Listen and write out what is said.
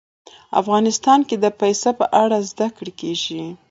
افغانستان کې د پسه په اړه زده کړه کېږي.